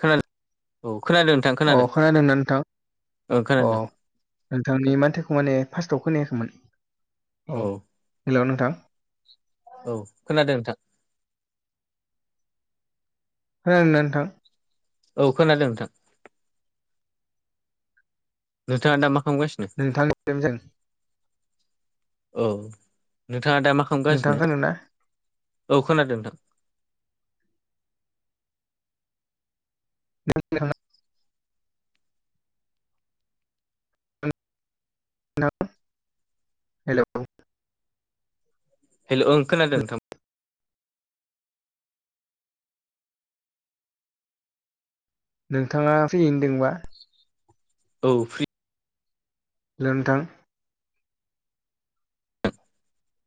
खोनादों औ खोनादों नोंथां अ खोनादों खोनादोंना नोंथां ओं अ खोनादों नोंथांनि मानथोखौ माने फार्स्टआव खोनायाखैमोन औ हेल' नोंथां औ खोनादों नोंथां ना नोंथां औ खोनादों नोंथां नोंथाङा दा खालामगासिनो नोंथां [unintelligible] जों औ नोंथाङा दा मा नोंथां खालामगासिनो खोनादोंना औ खोनादों नोंथां नोंथाङा हेलौ हेलौ हेल' ओं खोनादों नोंथां नोंथाङा फ्रियैनोदोंबा औ फ्रि हेलौ नोंथां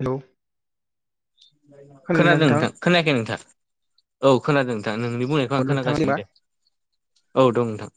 हेलौ खोनादों नोंथां खोनायाखै नोंथां औ खोनादों नोंथां नोंनि बुंनायखौ अ आं नोंथां खोनागासिनो होनबा दे औ दं नोंथां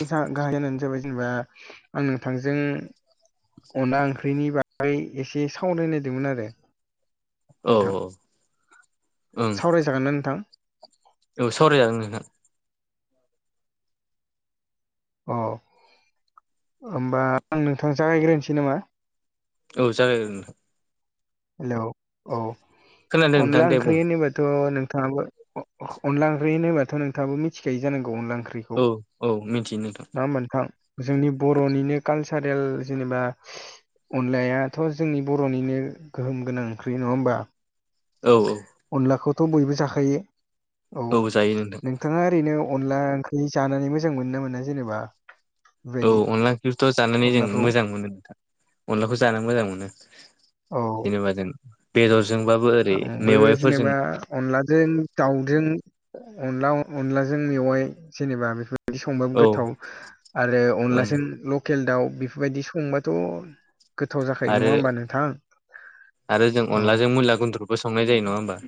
गाहाय जाहोनानो जाहैबाय जेनेबा आं नोंथांजों अनला ओंख्रिनि बा एसे सावरायनो नायदोंमोन आरो औ नोंथां औ ओं सावरायजागोन ना नोंथां औ सावरायजागोन नोंथां अ होमबा आं नोंथां जागायग्रोनोसै नामा औ जागायग्रोदो नोंथां हेलौ औ खोनादों नोंथां अनला दे बुं ओंख्रि होनोबाथ' नोंथाङाबो अ अनला ओंख्रि होनोबाथ' नोंथाङाबो मिथिखायो जानांगौ अनला ओंख्रि खौ औ औ मिथियो नोंथां नङा होमबा नोंथां जोंनि बर'निनो कालसारेल जेनेबा अनलायाथ' जोंनि बर'निनो गोहोम गोनां ओंख्रि नङा होमबा औ औ अनलाखौथ' बयबो जाखायो औ जायो नोंथां नों थाङा ओरैनो अनला ओंख्रि जानानै मोजां मोनो ना मोना जेनेबा? औ बेबायदि अनला ओंख्रिखौथ' जानानै जों अनलाखौ मोजां मोनो नोंथां अनलाखौ जा मोजां मोनो। औ जेनेबा जों बेदरजोंबाबो ओरै आंबो जेनेबा मेवाइफोरजों अनलाजों दाउजों अन अनलाजों मेवाइ जेनेबा बेफोर बादि संबाबो औ गोथाव आरो ओं अनलाजों ल- लकेल दाउ बेफोरबायदि संबाथ' गोथाव जाखायो आरो नङा होमबा नोंथां आरो जों औ अनलाजों मुला गुन्द्रुगबो संनाय जायो नङा होमबा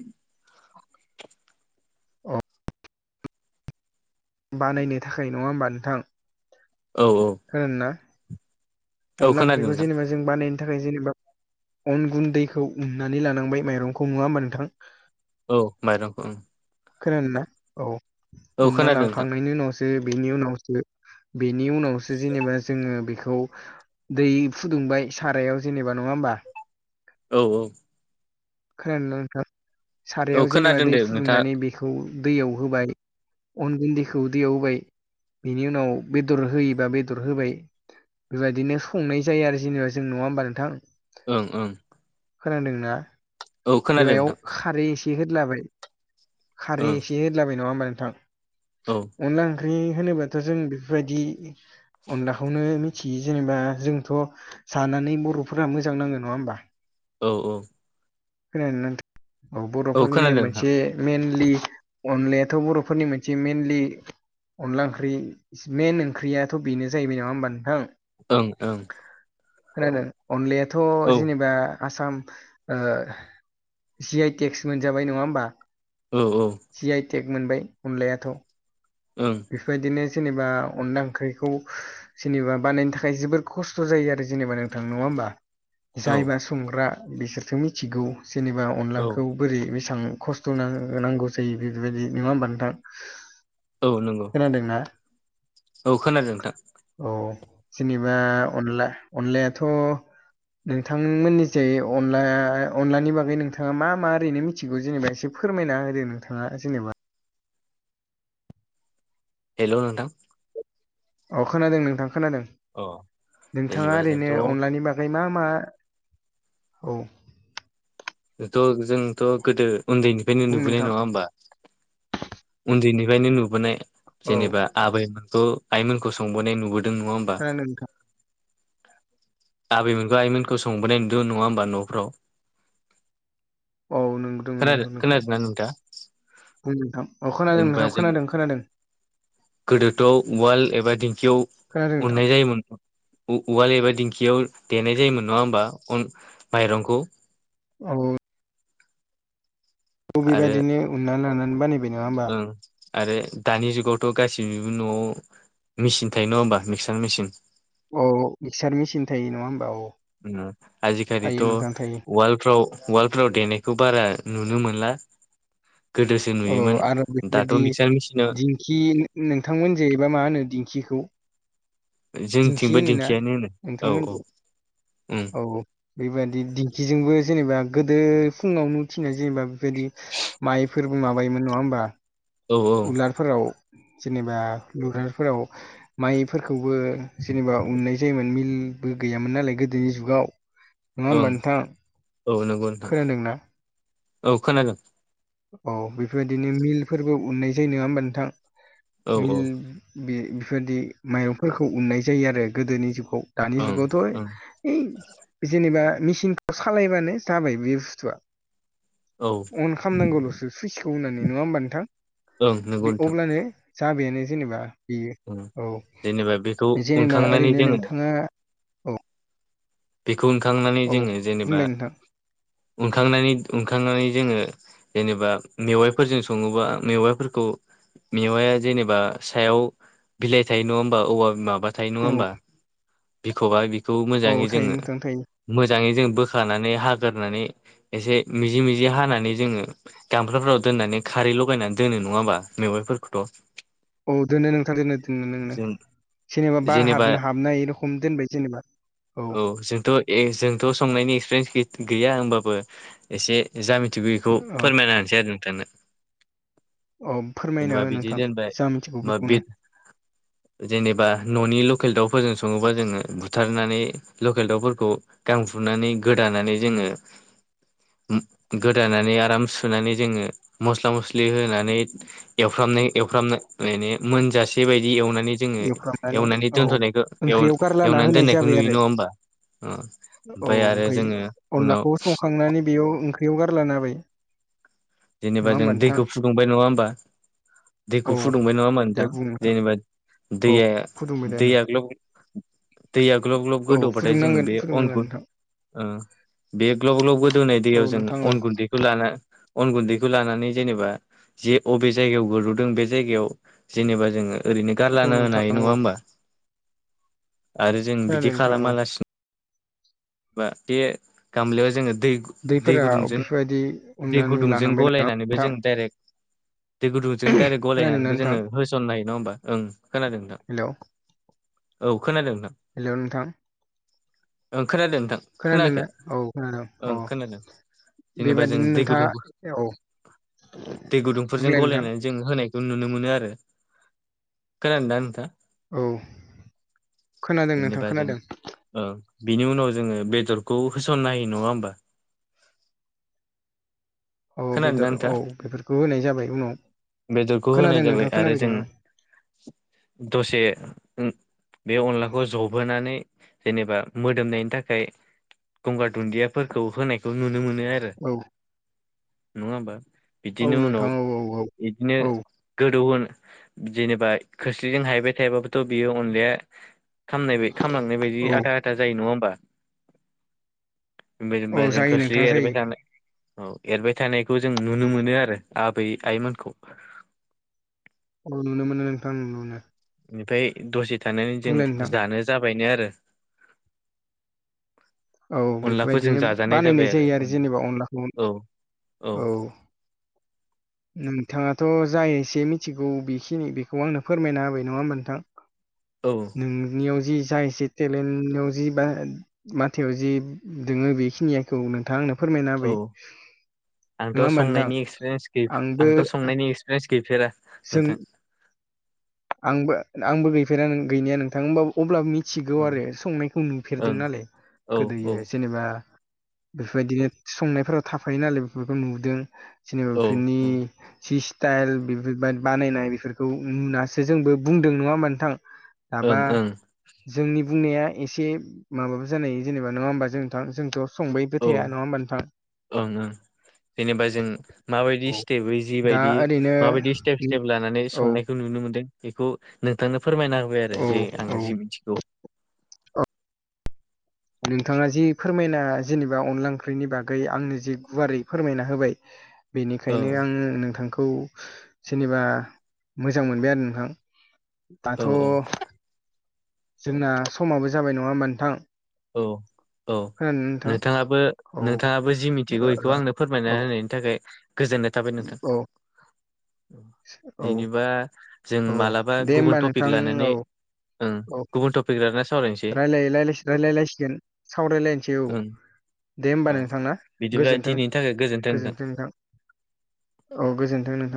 अ बानायनो थाखाय नङा होमबा नोंथां औ औ खोनादोंना औ अनला खोनादों ओंख्रिखौ नोंथां जेनेबा जों बानायनो थाखाय जेनेबा अन गुनदैखौ उननानै लानांबाय माइरंखौ नङा होमबा नोंथां औ माइरंखौ खोनादोंना औ औ उनना खोनादों नोंथां लांखांनायनि उनावसो बेनि उनावसो बेनि उनावसो जेनेबा जोङो बेखौ दै फुदुंबाय सारायाव जेनेबा नङा होमबा औ औ खोनादोंना नोंथां औ सारायाव जेनेबा खोनादों दै दे नोंथाङा फुदुंनानै बे- -खौ दैयाव होबाय अन गुन्दैखौ दैयाव होबाय बिनि उनाव बेदर होयोबा बेदर होबाय बेबायदिनो संनाय जायो आरो जेनेबा जों नङा होमबा नोंथां ओं ओं खोनादोंना औ खोनादों बेयाव नोंथां खारै एसे होदलाबाय खारै ओं एसे होदलाबाय नङा होमबा नोंथां औ अनला ओंख्रि होनोब्लाथ' जों बेफोरबायदि अनलाखौनो मिथियो जेनेबा जोंथ' जानानै बर'फोरा मोजां नाङो नङा होमबा औ औ खोनादोंना नोंथां औ बर'फोरनिनो खोनादों नोंथां मोनसे मेइनलि अनलायाथ' बर'फोरनि मोनसे मेनलि अनला ओंख्रि मेन ओंख्रियाथ' बेनो जाहैबाय नामा होमबा नोंथां ओं ओं खोनादों अनलायाथ' औ जेनेबा आसाम ओ जि आइ टेक्स मोनजाबाय नङा होमबा औ औ जि आइ टेक मोनबाय अनलायाथ' ओं बेफोरबायदिनो जेनेबा अनला ओंख्रिखौ जेनेबा बानायनो थाखाय जोबोर खस्थ' जायो आरो जेनेबा नोंथां नङा होमबा औ जायबा संग्रा बिसोरसो मिथिगौ जेनेबा औ अनलाखौ बोरै बेसेबां खस्थ' ना नांगौ जायो बेबायदि नङा होनबा नोंथां औ नंगौ खोनादोंना औ खोनादों नोंथां औ जेनेबा अनला अनलायाथ' नोंथांमोननि जाय अनला अनलानि बागै नोंथाङा मा मा ओरैनो मिथिगौ जेनेबा एसे फोरमायना होदो नोंथाङा जेनेबा हेल' नोंथां। अ खोनादों नोंथां खोनादों अ नोंथाङा जेनेबा जोंथ' ओरैनो अनलानि बागै ओइ मा मा औ जोंथ' गोदो उन्दैनिफ्रायनो बुं नोंथां नुबैनाय नङा होमबा? उन्दैनिफ्रायनो नुबोनाय औ जेनेबा आबैमोनखौ आइमोनखौ संबोनाय नुबोदों नङा होमबा? खोनादों नोंथां आबैमोनखौ आइमोनखौ संबोनाय नुदों नङा होनोमबा न'फ्राव। औ नंगौ अ नंगौ खोनादों नोंथां खोनादों नोंथाङा नोंथां अ खोनादों नोंथां खोनादों खोनादों। गोदोथ'आव उवाल एबा दिंखियाव खोनादों नोंथां अननाय जायोमोन। उवाल एबा दिंखियाव देनाय जायोमोन नङा होनबा माइरंखौ। औ। थ' आरो बेबादिनो उननानै लानानै बानायबाय नङा होमबा? ओं आरो दानि जुगावथ' गासैनिबो न'आव मेसिन थायो नङा होनोमबा मिक्सार मेसिन औ मिक्सार मेसिन थायो नङा होमबा औ। थायो आजिखालिथ' नोंथां थायो उवालफ्राव उवाल्डफ्राव देनायखौ बारा नुनो मोनला। गोदोसो औ नुयोमोन आरो दाथ' बेफोरबायदि मिक्सार मिसिनाव दिंखि नोंथांमोन जेैबा मा होनो दिंखिखौ। दिंखि जोंथिंबो होनोना दिंखियानो होनो औ नोंथांमोनखौ औ। औ बेबादि दिंखिजोंबो जेनेबा गोदो फुङावनो उथिनाय जेनेबा बेफोरबायदि माइफोरबो माबायोमोन नङा होमबा औ उलार। फोराव जेनेबा उवालफोराव माइ फोरखौबो जेनेबा उनाय जायोमोन मिलाबो गैयामोन नालाय गोदोनि जुगाव नडा ओं होनबा नोंथां? औ नंगौ नोंथ खोनादोंना औ खोनादों। औ बेफोरबायदिनो मिलफोरबो उनाय जायो नङा होमबा नोंथां औ मिल बे बेबायदि माइरंफोरखौ उननाय जायो आरो गोदोनि जुगाव दानि ओं ओं जुगावथ'। हैइ जेनेबा मिचिनखौ सालायबानो जाबाय बे बुस्थुआ औ। खालामामनांगौल'सो सुइसखौ होननानै नङा होमब नोंथां ओं नंगौ बे नोंथां अब्लानो जाबायानो जेनेबा बेयो ओं जेनेबा बेखौ औ जेनेबा उनखांनानै ओरैनो जोङो नोंथाङा औ बेखौ उनखांनानै औ जोङो बुंलाय नोंथां जेनेबानखांनानै उनखांनानै जोङो। जेनेबा मेवाइफोरजों सङोबा मेवाइफोरखौ मेवाया जेनेबा सायाव बिलाइ थायो नङा होनबा औवा माबा नाथाय नङा औ होमबा बिख'बा बिखौ औ मोजाङै थायो जोङो नोंथां थायो मोजाङै जों बोखानानै हाग्रोनानै एसे मिजि मिजि हानानै जोङो। गामलाफोराव दोननानै खारै लगायनानै दोनो नङा होमबा मेवाइफोरखौथ' औ दोनो नोंथां दोनो दोनो नोंनो जों जेनेबा बार हारनो हाबनाय रोखोम दोनबाय जेनेबा औ जोंथ' जोंथ' संनायनि एक्सपिरियेन्स गैया होनबाबो एसे जा मिथिगौ बेखौ औ फोरमायना होनोसै आरो नोंथांनो औ फोरमायना हो नोंथां जा मिथिगौ बेखौनो [unintelligible] जेनेबा न'नि लकेल दाउफोरजों सङोबा जोङो बुथारनानै लकेल दाउफोरखौ गां फुनानै गोदानानै जोङो। गोदानानै आराम सुनानै जोङो मस्ला मस्लि होनानै। एवफ्रामनाय एवफ्रामनाय माने मोनजासे बायदि एव जोङो एवफ्रामनानै एवनानै औ दोनथ'नायखौ ओंख्रियाव गारलाना एवनानै होनाय दोननायखौ जाबाय नुयो आरो नङा होन ओमफ्राय आरो जोङो उनाव थांनानै बेयाव ओंख्रियाव गारलाना होबाय। जेनेबा नङा जों होमबा नोंथां दैखौ फुदुंबाय नङा होमबा। दैखौ औ फुदुंबाय नङा होमबा दे नोंथां बुं जेनेबा औ दैया फुदुंबाय दे दैया नोंथां ग्लब दैया ग्लब ग्लब औ गोदौबाथाय जोङो फुदुंनांगोन बे फुदुंनांगोन अनखौ नोंथां ओ बे ग्लब ग्लब गोदौनाय औ दैयाव जों नोंथां औ अन गुन्दैखौ लाना अन गुन्दैखौ लानानै जेनेबा जे अबे जायगायाव गोदौदों बे जायगायाव जेनेबा जोङो ओरैनो औ गारलाना होनो नोंथां हायो औ नङा होमबा आरो जों खोनादों बिदि नोंथां औ खालामालासिनो बा बे गामलायाव जोङो दै दै दैफोरा गुदुंजों बेफोरबायदि दै उननानै गुदुंजों लानांबाय नामा गलायनानैबो नोंथां जों दाइरेक्ट दै गुदुंजों दाइरेक्ट खोनादोंना गलायनानैबो नोंथां जोङो होसननो हायो नङा होमबा ओं खोनादों दा हेल' औ खोनादों नोंथां हेलौ नोंथां ओं खोनादों नोंथां खोनायाखै खोनादोंना औ खोनादों औ ओं खोनादों जेनेबा जों बेबादिनो दै नोंथाङा गुदुंखौ औ दै गुदुंफोरजों बुंलाय नोंथां गलायनानै जों होनायखौ नुनो मोनो आरो खोनादों दा नोंथाङा? औ [inaudible] खोनादों नोंथां जेनेबा खोनादों जोङो ओ बिनि उनाव जोङो बेदरखौ होसनना हायो नङा होमबा? औ खोनादोंना बेदर नोंथां? औ बेफोरखौ होनाय जाबाय उनाव बेदरखौ होनाय खोनादों जाबाय नोंथां आरो जों खोनाबायदों आं दसे बे अनलाखौ जबोनानै जेनेबा मोदोमनायनि थाखाय गंगार दुनदियाफोरखौ होनायखौ नुनो मोनो आरो औ नङा होमबा औ बिदिनो उनाव नोंथां औ औ बिदिनो औ गोदौहोन जेनेबा खोस्लिजों हायबाय थायोबाबोथ' बियो अनलाया खामनाय बाय खालामलांनाय बायदि औ आथा आथा जायो नङा होमबा? [unintelligible] औ जों जायो खोसलि नोंथां एरबाय जायो थानो औ एरबाय थानायखौ जों नुनो मोनो आरो आबै आइमोनखौ औ नुनो मोनो नोंथां नुुनो मोनो। बेनिफ्राय दसे थानानै जों बुंलाय नोंथां जानो जाबायनो आरो। औ अनलाखौ जों बेफोरबायदिनो जाजानाय जाबाय बानायनाय जायो आरो जेनेबा अनलाखौ। औ औ नोंथाङाथ' जाय एसे मिथिगौ बेखिनि बेखौ आंनो फोरमायना होबाय नङा होमबा नोंथां औ नोंनियाव जि जा एसे टेलेन्टाव जि बा मा थियाव जे दोङो बेखिनि आखौ नोंथाङा आंनो फोरमायना औ होबाय आंथ' नङा होमबा नोंथां संनायनि एक्सपिरियेन्स गै आंबो आंथ' संनायनि एक्सपिरियेन्स गैफेरा जों नोंथां आंबो आंबो गैफेरा गैनाया नोंथां ओमबाबो अब्लाबो मि थिगौ ओं आरो संनायखौ नुफेरदों ओं नालाय औ गोदोयो जेनेबा बेफोरबायदिनो संनायफोराव थाफायो नालाय बेफोरखौ नुदों जेनेबा औ बेफोरनि औ जि स्टाइल बेफोरबाय बानायनाय बेफोरखौ नुनासो जोंबो बुंदों नङा होमा नोंथां औ दाबा ओं ओं जोंनि बुंनाया एसे माबाबो जानाय जेनेबा नङा होमबा जोंथा जोंथ' औ खोथाया नङा होमबा नोंथां ओं ओं जेनेबा जों माबायदि औ स्टेपै दा जिबायदि ओरैनो माबायदि स्टेप स्टेप लानानै औ संनायखौ नुनो मोनदों बेखौ नोंथांनो फोरमायना होबाय आरो औ जे औ आङो जि मिथिगौ नोंथाङा जि फोरमायना जेनेबा अनला ओंख्रिनि बागै आंनो जि गुवारै फोरमायना होबाय [inaudible] बेनिखायनो आं नोंथांखौ जेनेबा मोजां मोनबाय आरो नोंथां। औ दाथ' जोंना समाबो जाबाय नङा होमा नोंथां औ औ खोनादों ना नोंथां नोंथाङाबो औ नोंथाङाबो जि मिथिगौ बेखौ आंनो फोरमायना ओ औ होनाय। नि थाखाय गोजोननाय थाबाय नोंथां। औ बिदिबा जों औ मालाबा दे होमबा गुबुन नोंथां टपिक औ लानानै ओं औ गुबुन [unintelligible] सावर रायलायलायसिगोन सावरायलायसै। सेव ओं दे होमबा औ नोंथां ना बिदिब्ला गोजोनथों दिनैनि थाखाय गोजोन्थों गोजोनथों नोंथां। औ गोजोन्थों नोंथां।